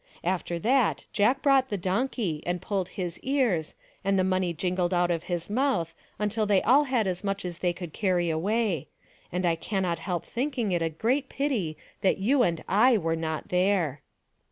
After that Jack brought the donkey and pulled his ears and the money jingled out of his mouth until they all had as much as they could carry away; and I cannot help thinking it is a great pity that you and I were not there.